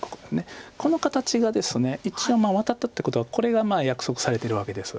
この形がですね一応ワタったってことはこれが約束されてるわけです。